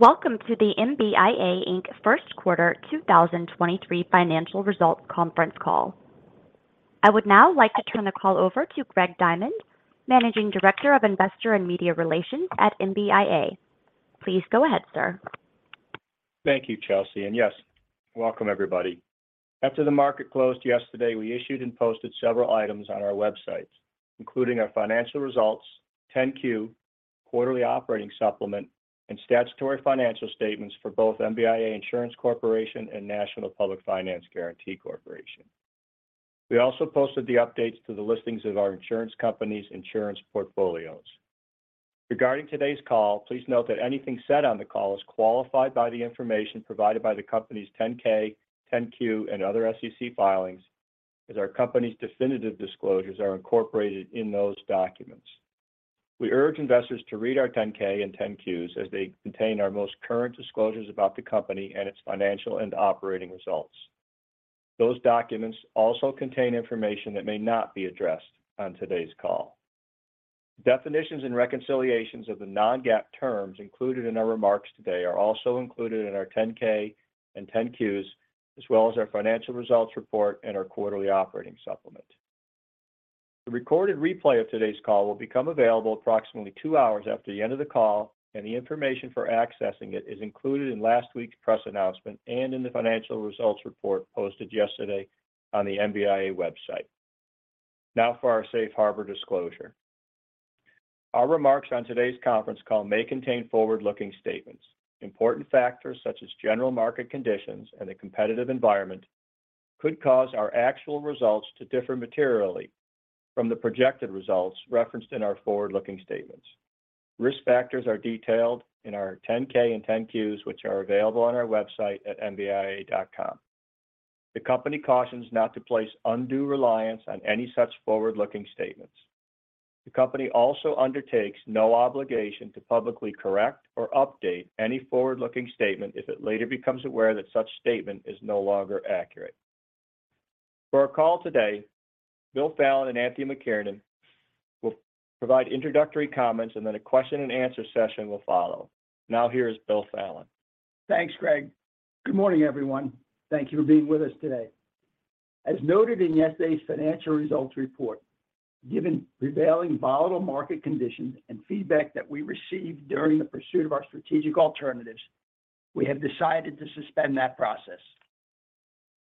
Welcome to the MBIA Inc. First Quarter 2023 Financial Results Conference Call. I would now like to turn the call over to Greg Diamond, Managing Director of Investor and Media Relations at MBIA. Please go ahead, sir. Thank you, Chelsea. Yes, welcome everybody. After the market closed yesterday, we issued and posted several items on our websites, including our financial results, 10-Q, Quarterly Operating Supplement, and Statutory Financial Statements for both MBIA Insurance Corporation and National Public Finance Guarantee Corporation. We also posted the updates to the listings of our insurance company's insurance portfolios. Regarding today's call, please note that anything said on the call is qualified by the information provided by the company's 10-K, 10-Q and other SEC filings as our company's definitive disclosures are incorporated in those documents. We urge investors to read our 10-K and 10-Qs as they contain our most current disclosures about the company and its financial and operating results. Those documents also contain information that may not be addressed on today's call. Definitions and reconciliations of the Non-GAAP terms included in our remarks today are also included in our 10-K and 10-Qs, as well as our financial results report and our Quarterly Operating Supplement. The recorded replay of today's call will become available approximately two hours after the end of the call, and the information for accessing it is included in last week's press announcement and in the financial results report posted yesterday on the MBIA website. Now for our Safe Harbor Disclosure. Our remarks on today's conference call may contain Forward-Looking Statements. Important factors such as general market conditions and the competitive environment could cause our actual results to differ materially from the projected results referenced in our Forward-Looking Statements. Risk Factors are detailed in our 10-K and 10-Qs, which are available on our website at mbia.com. The company cautions not to place undue reliance on any such Forward-Looking Statements. The company also undertakes no obligation to publicly correct or update any Forward-Looking Statement if it later becomes aware that such statement is no longer accurate. For our call today, Will Fallon and Anthony McKiernan will provide introductory comments, and then a Question and Answer session will follow. Now here is Will Fallon. Thanks, Greg. Good morning, everyone. Thank you for being with us today. As noted in yesterday's financial results report, given prevailing volatile market conditions and feedback that we received during the pursuit of our strategic alternatives, we have decided to suspend that process.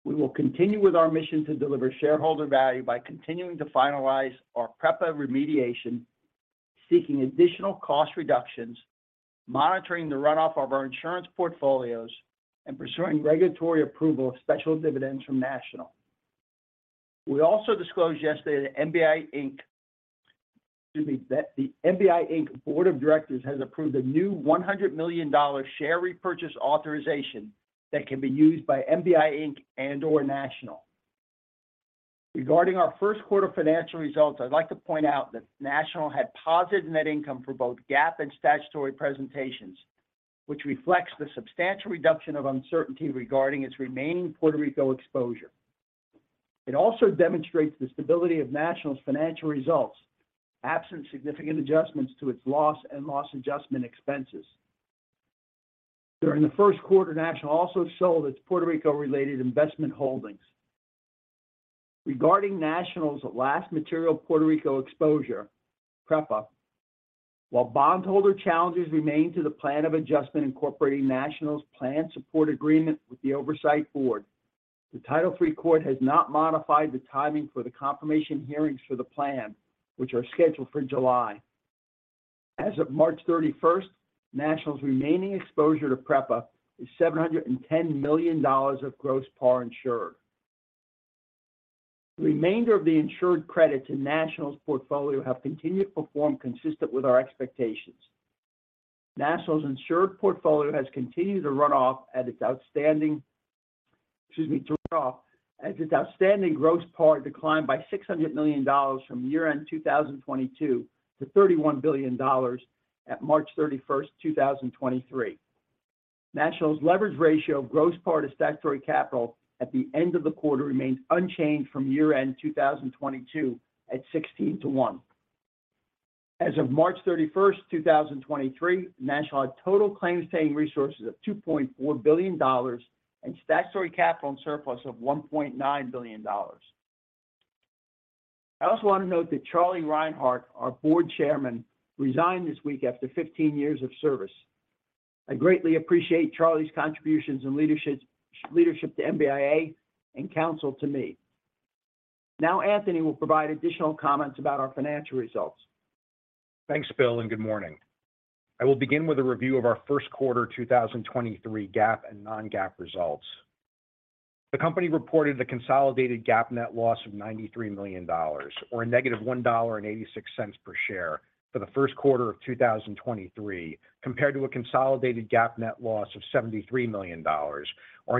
We will continue with our mission to deliver shareholder value by continuing to finalize our PREPA remediation, seeking additional cost reductions, monitoring the runoff of our insurance portfolios, and pursuing regulatory approval of special dividends from National. We also disclosed yesterday that MBIA Inc. Excuse me. The MBIA Inc. Board of Directors has approved a new $100 million share repurchase authorization that can be used by MBIA Inc. and/or National. Regarding our first quarter financial results, I'd like to point out that National had positive net income for both GAAP and statutory presentations, which reflects the substantial reduction of uncertainty regarding its remaining Puerto Rico exposure. It also demonstrates the stability of National's financial results, absent significant adjustments to its loss and loss adjustment expenses. During the first quarter, National also sold its Puerto Rico-related investment holdings. Regarding National's last material Puerto Rico exposure, PREPA, while bondholder challenges remain to the plan of adjustment incorporating National's Plan Support Agreement with the Oversight Board, the Title III Court has not modified the timing for the confirmation hearings for the plan, which are scheduled for July. As of March 31st, National's remaining exposure to PREPA is $710 million of gross par insured. The remainder of the insured credits in National's portfolio have continued to perform consistent with our expectations. National's insured portfolio has continued to run off as its outstanding gross par declined by $600 million from year-end 2022 to $31 billion at March 31st, 2023. National's leverage ratio of gross par to statutory capital at the end of the quarter remains unchanged from year-end 2022 at 16 to one. As of March 31st, 2023, National had total claims-paying resources of $2.4 billion and statutory capital and surplus of $1.9 billion. I also want to note that Charlie Rinehart, our Board Chairman, resigned this week after 15 years of service. I greatly appreciate Charlie's contributions and leadership to MBIA and counsel to me. Now Anthony will provide additional comments about our financial results. Thanks, Will, and good morning. I will begin with a review of our first quarter 2023 GAAP and non-GAAP results. The company reported a consolidated GAAP net loss of $93 million or a -$1.86 per share for the first quarter of 2023, compared to a consolidated GAAP net loss of $73 million or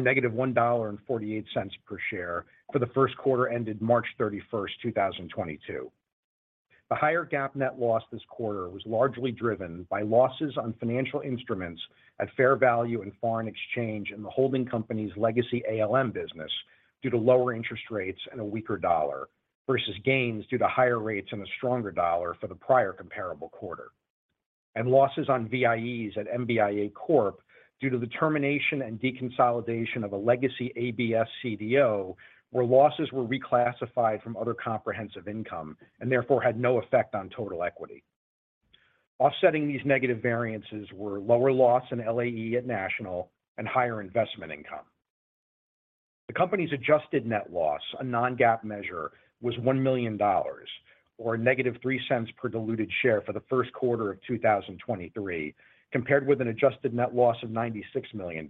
-$1.48 per share for the first quarter ended March 31st, 2022. The higher GAAP net loss this quarter was largely driven by losses on financial instruments at fair value and foreign exchange in the holding company's legacy ALM business. Due to lower interest rates and a weaker dollar versus gains due to higher rates and a stronger dollar for the prior comparable quarter. Losses on VIEs at MBIA Corp. due to the termination and deconsolidation of a legacy ABS CDO, where losses were reclassified from other comprehensive income and therefore had no effect on total equity. Offsetting these negative variances were lower loss and LAE at National and higher investment income. The company's adjusted net loss, a non-GAAP measure, was $1 million or -$0.03 per diluted share for the first quarter of 2023, compared with an adjusted net loss of $96 million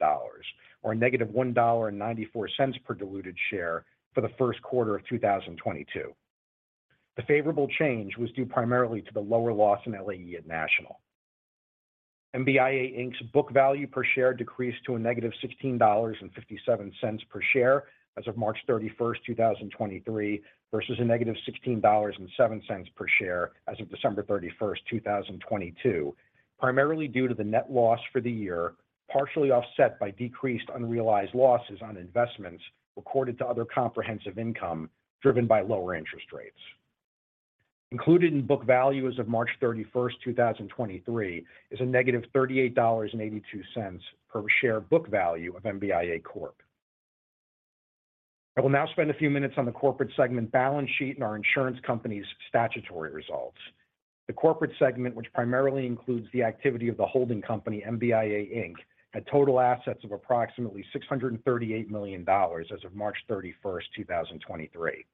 or -$1.94 per diluted share for the first quarter of 2022. The favorable change was due primarily to the lower loss in LAE at National. MBIA Inc's book value per share decreased to -$16.57 per share as of March 31st, 2023 versus -$16.07 per share as of December 31st, 2022, primarily due to the net loss for the year, partially offset by decreased unrealized losses on investments recorded to other comprehensive income driven by lower interest rates. Included in book value as of March 31st, 2023 is a -$38.82 per share book value of MBIA Corp. I will now spend a few minutes on the corporate segment balance sheet and our insurance company's statutory results. The corporate segment, which primarily includes the activity of the holding company, MBIA Inc., had total assets of approximately $638 million as of March 31st, 2023.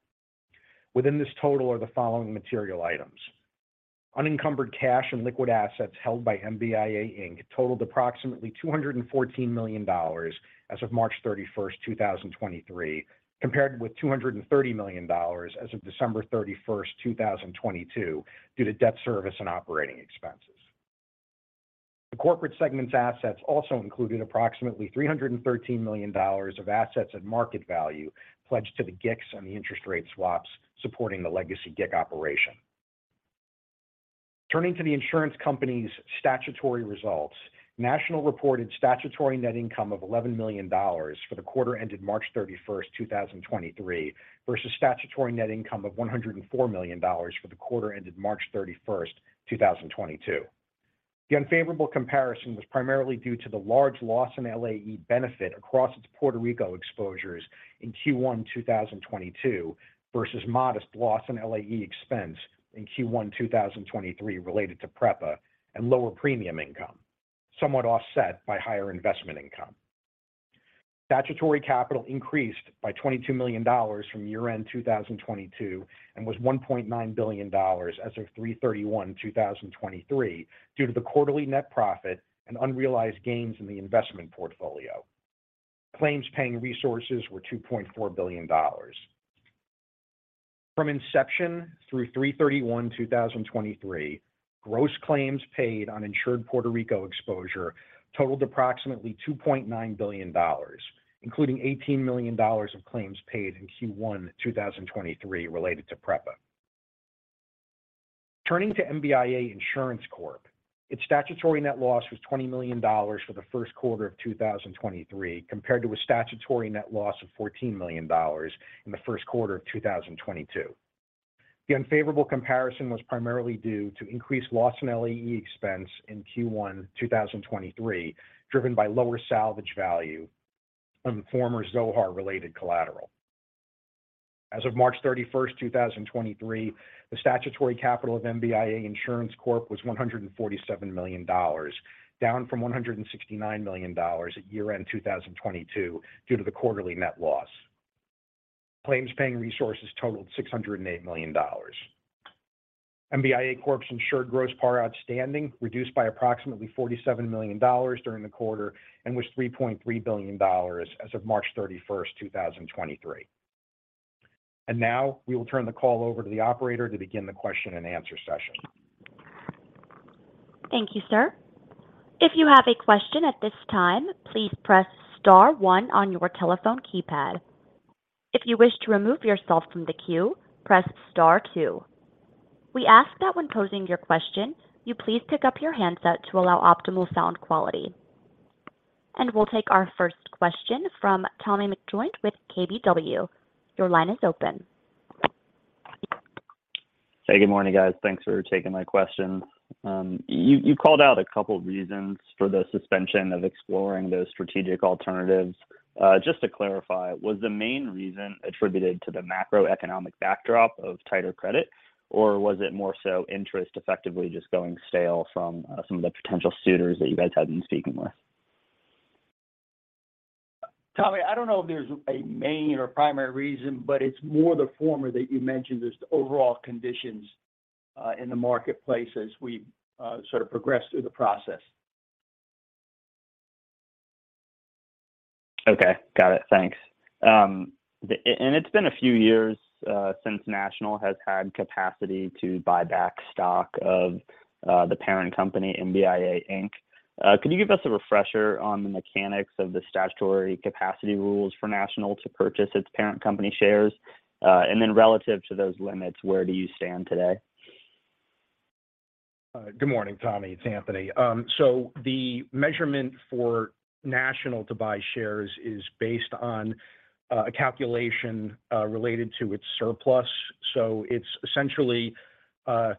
Within this total are the following material items. Unencumbered cash and liquid assets held by MBIA Inc. totaled approximately $214 million as of March 31st, 2023, compared with $230 million as of December 31st, 2022, due to debt service and operating expenses. The corporate segment's assets also included approximately $313 million of assets at market value pledged to the GICs on the interest rate swaps supporting the legacy GIC operation. Turning to the insurance company's statutory results, National reported statutory net income of $11 million for the quarter ended March 31st, 2023 versus statutory net income of $104 million for the quarter ended March 31st, 2022. The unfavorable comparison was primarily due to the large loss in LAE benefit across its Puerto Rico exposures in Q1 2022 versus modest loss in LAE expense in Q1 2023 related to PREPA and lower premium income, somewhat offset by higher investment income. Statutory capital increased by $22 million from year-end 2022 and was $1.9 billion as of 3/31/2023 due to the quarterly net profit and unrealized gains in the investment portfolio. Claims-paying resources were $2.4 billion. From inception through 3/31/2023, gross claims paid on insured Puerto Rico exposure totaled approximately $2.9 billion, including $18 million of claims paid in Q1 2023 related to PREPA. Turning to MBIA Insurance Corp., its statutory net loss was $20 million for the first quarter of 2023 compared to a statutory net loss of $14 million in the first quarter of 2022. The unfavorable comparison was primarily due to increased loss in LAE expense in Q1 2023, driven by lower salvage value on former Zohar-related collateral. As of March 31st, 2023, the statutory capital of MBIA Insurance Corp was $147 million, down from $169 million at year-end 2022 due to the quarterly net loss. Claims-paying resources totaled $608 million. MBIA Corp's insured gross par outstanding reduced by approximately $47 million during the quarter and was $3.3 billion as of March 31st, 2023. Now, we will turn the call over to the Operator to begin the question-and-answer session. Thank you, sir. If you have a question at this time, please press star one on your telephone keypad. If you wish to remove yourself from the queue, press star two. We ask that when posing your question, you please pick up your handset to allow optimal sound quality. We'll take our first question from Tommy McJoynt with KBW. Your line is open. Hey, good morning, guys. Thanks for taking my question. You called out a couple reasons for the suspension of exploring those strategic alternatives. Just to clarify, was the main reason attributed to the macroeconomic backdrop of tighter credit, or was it more so interest effectively just going stale from some of the potential suitors that you guys had been speaking with? Tommy, I don't know if there's a main or primary reason, but it's more the former that you mentioned as to overall conditions, in the marketplace as we, sort of progress through the process. Okay. Got it. Thanks. And it's been a few years since National has had capacity to buy back stock of the parent company, MBIA Inc. Could you give us a refresher on the mechanics of the statutory capacity rules for National to purchase its parent company shares? Relative to those limits, where do you stand today? Good morning, Tommy McJoynt. It's Anthony McKiernan. The measurement for National to buy shares is based on a calculation related to its surplus. It's essentially 50%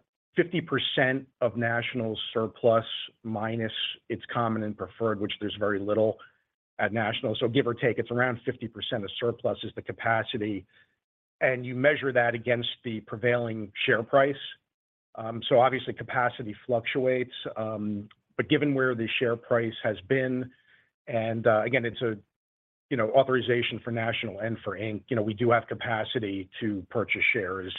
of National's surplus minus its common and preferred, which there's very little at National. Give or take, it's around 50% of surplus is the capacity, and you measure that against the prevailing share price. Obviously, capacity fluctuates. Given where the share price has been, and again, it's a, you know, authorization for National and MBIA Inc., you know, we do have capacity to purchase shares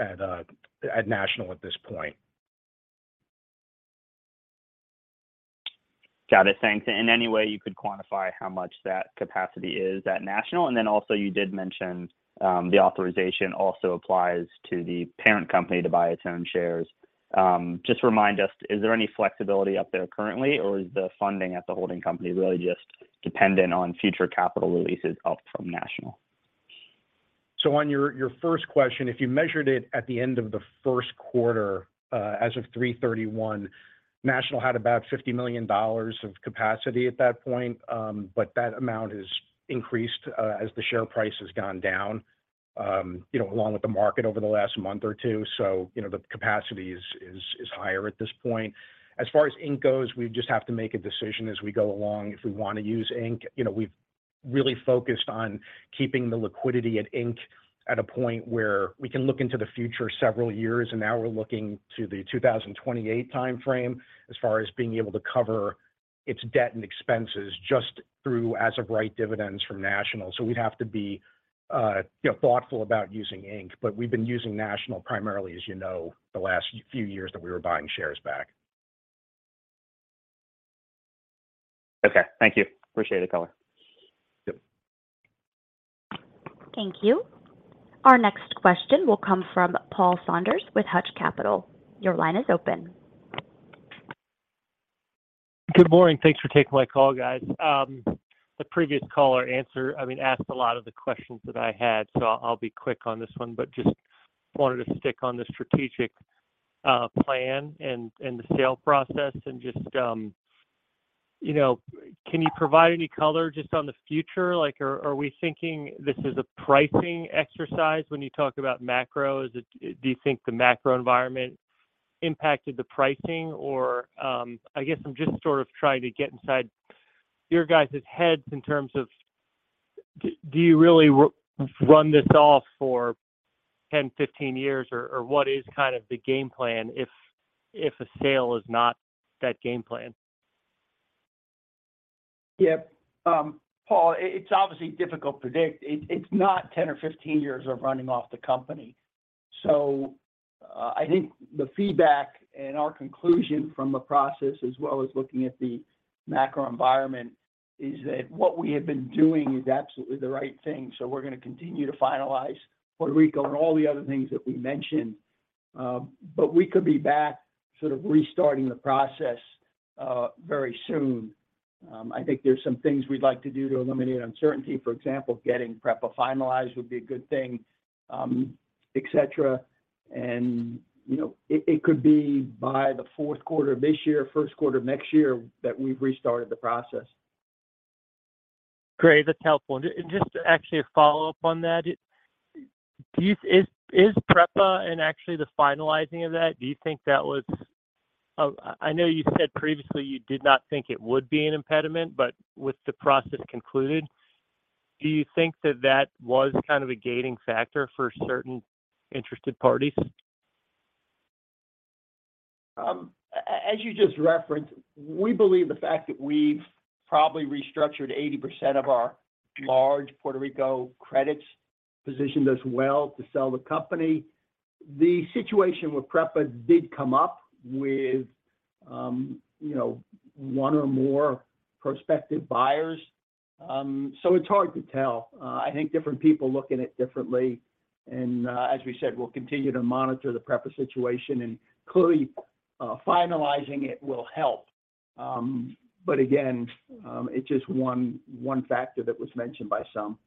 at National at this point. Got it. Thanks. Any way you could quantify how much that capacity is at National? Also you did mention, the authorization also applies to the parent company to buy its own shares. Just remind us, is there any flexibility up there currently, or is the funding at the holding company really just dependent on future capital releases out from National? On your first question, if you measured it at the end of the first quarter, as of 3/31, National had about $50 million of capacity at that point. That amount has increased, as the share price has gone down, you know, along with the market over the last month or two. You know, the capacity is higher at this point. As far as MBIA Inc. goes, we just have to make a decision as we go along if we wanna use MBIA Inc. You know, we've really focused on keeping the liquidity at MBIA Inc. at a point where we can look into the future several years, and now we're looking to the 2028 timeframe as far as being able to cover its debt and expenses just through as of right dividends from National. We'd have to be, you know, thoughtful about using MBIA Inc. We've been using National primarily, as you know, the last few years that we were buying shares back. Okay. Thank you. Appreciate the color. Yep. Thank you. Our next question will come from Paul Saunders with Hutch Capital. Your line is open. Good morning. Thanks for taking my call, guys. The previous caller I mean, asked a lot of the questions that I had, so I'll be quick on this one. Just wanted to stick on the strategic plan and the sale process and just, you know, can you provide any color just on the future? Like, are we thinking this is a pricing exercise when you talk about macro? Do you think the macro environment impacted the pricing? I guess I'm just sort of trying to get inside your guys' heads in terms of do you really run this off for 10-15 years, or what is kind of the game plan if a sale is not that game plan? Yep. Paul, it's obviously difficult to predict. It's not 10 or 15 years of running off the company. I think the feedback and our conclusion from the process, as well as looking at the macro environment, is that what we have been doing is absolutely the right thing. We're gonna continue to finalize Puerto Rico and all the other things that we mentioned. But we could be back sort of restarting the process very soon. I think there's some things we'd like to do to eliminate uncertainty. For example, getting PREPA finalized would be a good thing, et cetera. You know, it could be by the fourth quarter of this year, first quarter of next year that we've restarted the process. Great. That's helpful. Just actually a follow-up on that. Is PREPA and actually the finalizing of that, do you think that was, I know you said previously you did not think it would be an impediment, but with the process concluded, do you think that was kind of a gating factor for certain interested parties? As you just referenced, we believe the fact that we've probably restructured 80% of our large Puerto Rico credits positioned us well to sell the company. The situation with PREPA did come up with, you know, one or more prospective buyers. It's hard to tell. I think different people look at it differently. As we said, we'll continue to monitor the PREPA situation and clearly, finalizing it will help. Again, it's just one factor that was mentioned by some.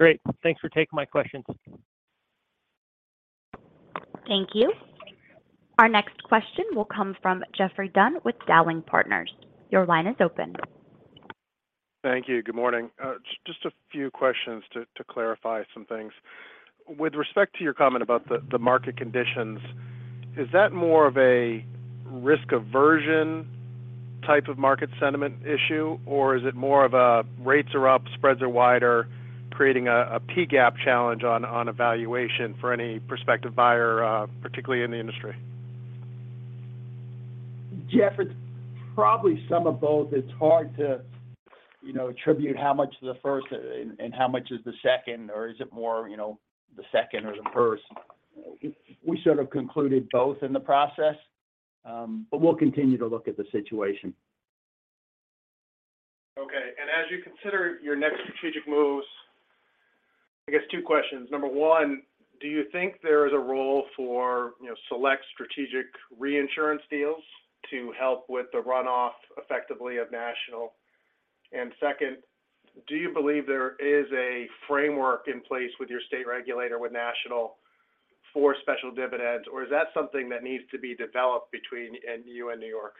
Great. Thanks for taking my questions. Thank you. Our next question will come from Geoffrey Dunn with Dowling & Partners. Your line is open. Thank you. Good morning. Just a few questions to clarify some things. With respect to your comment about the market conditions, is that more of a risk aversion type of market sentiment issue, or is it more of a rates are up, spreads are wider, creating a P gap challenge on a valuation for any prospective buyer, particularly in the industry? Jeffrey, it's probably some of both. It's hard to, you know, attribute how much is the first and how much is the second, or is it more, you know, the second or the first. We sort of concluded both in the process. We'll continue to look at the situation. Okay. As you consider your next strategic moves, I guess two questions. Number one, do you think there is a role for, you know, select strategic reinsurance deals to help with the runoff effectively of National? Second, do you believe there is a framework in place with your state regulator with National for special dividends, or is that something that needs to be developed between, and you and New York?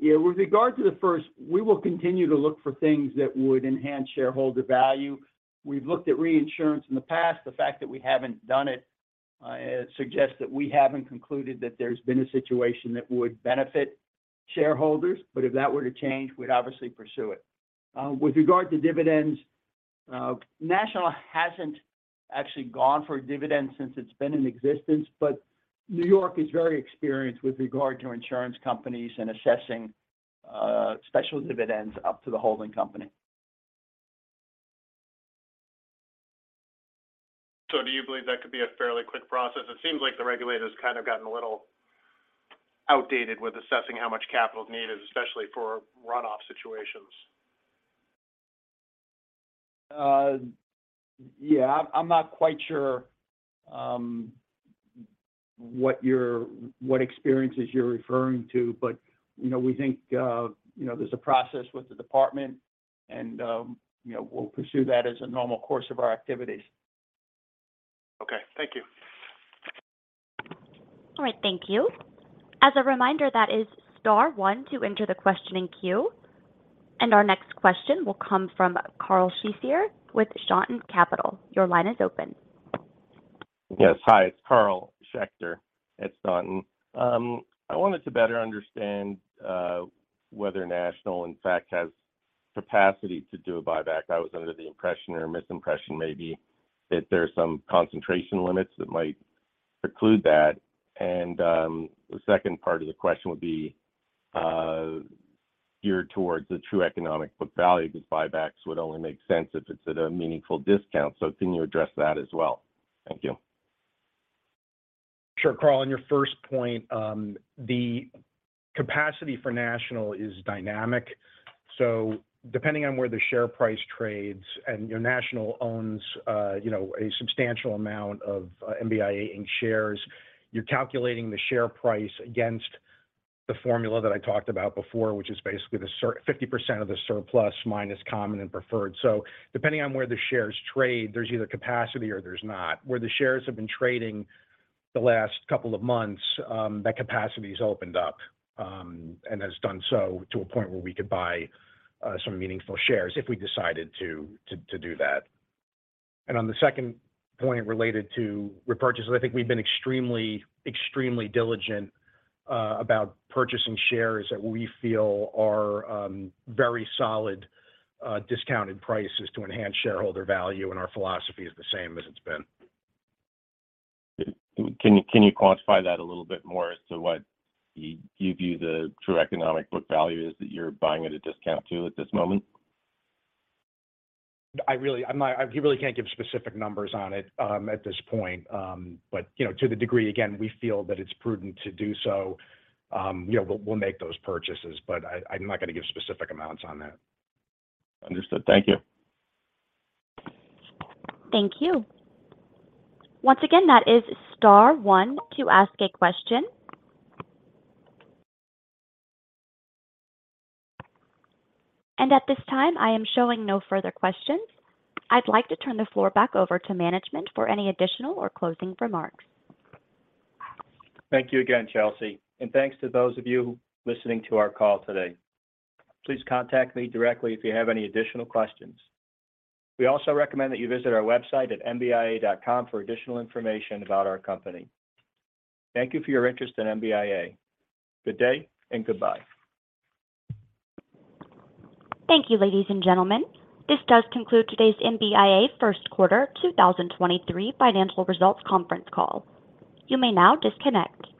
Yeah. With regard to the first, we will continue to look for things that would enhance shareholder value. We've looked at reinsurance in the past. The fact that we haven't done it suggests that we haven't concluded that there's been a situation that would benefit shareholders. If that were to change, we'd obviously pursue it. With regard to dividends, National hasn't actually gone for a dividend since it's been in existence. New York is very experienced with regard to insurance companies and assessing special dividends up to the holding company. Do you believe that could be a fairly quick process? It seems like the regulator's kind of gotten a little outdated with assessing how much capital is needed, especially for runoff situations. Yeah. I'm not quite sure what experiences you're referring to. You know, we think, you know, there's a process with the department and, you know, we'll pursue that as a normal course of our activities. Okay. Thank you. All right. Thank you. As a reminder, that is star one to enter the questioning queue. Our next question will come from Carl Schecter with Staunton Capital. Your line is open. Yes. Hi, it's Carl Schecter at Staunton. I wanted to better understand whether National in fact has capacity to do a buyback. I was under the impression or misimpression maybe that there's some concentration limits that might preclude that. The second part of the question would be geared towards the true economic book value, because buybacks would only make sense if it's at a meaningful discount. Can you address that as well? Thank you. Sure, Carl. On your first point, the capacity for National is dynamic, so depending on where the share price trades, and, you know, National owns, you know, a substantial amount of MBIA Inc. shares. You're calculating the share price against the formula that I talked about before, which is basically the 50% of the surplus minus common and preferred. Depending on where the shares trade, there's either capacity or there's not. Where the shares have been trading the last couple of months, that capacity's opened up, and has done so to a point where we could buy some meaningful shares if we decided to do that. On the second point related to repurchases, I think we've been extremely diligent about purchasing shares that we feel are very solid discounted prices to enhance shareholder value, and our philosophy is the same as it's been. Can you quantify that a little bit more as to what you view the true economic book value is that you're buying at a discount to at this moment? I really can't give specific numbers on it, at this point. You know, to the degree, again, we feel that it's prudent to do so, you know, we'll make those purchases, but I'm not gonna give specific amounts on that. Understood. Thank you. Thank you. Once again, that is star one to ask a question. At this time, I am showing no further questions. I'd like to turn the floor back over to management for any additional or closing remarks. Thank you again, Chelsea. Thanks to those of you listening to our call today. Please contact me directly if you have any additional questions. We also recommend that you visit our website at mbia.com for additional information about our company. Thank you for your interest in MBIA. Good day and goodbye. Thank you, ladies and gentlemen. This does conclude today's MBIA first Quarter 2023 Financial Results Conference Call. You may now disconnect.